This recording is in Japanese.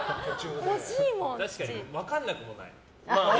確かに分からなくもない。